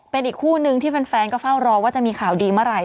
เป็นอีกคู่นึงที่แฟนก็เฝ้ารอว่าจะมีข่าวดีเมื่อไหร่